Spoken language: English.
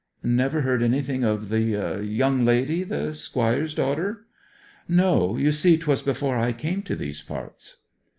'Never heard anything of the young lady the Squire's daughter?' 'No. You see 'twas before I came to these parts.'